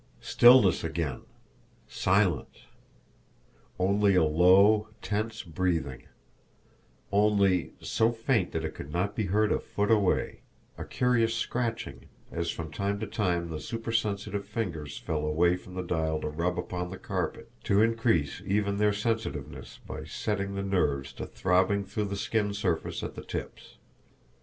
Stillness again! Silence! Only a low, tense breathing; only, so faint that it could not be heard a foot away, a curious scratching, as from time to time the supersensitive fingers fell away from the dial to rub upon the carpet to increase even their sensitiveness by setting the nerves to throbbing through the skin surface at the tips.